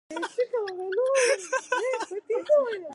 Barker Ranch now became home for the Family, including Krenwinkel.